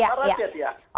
langsar saja dia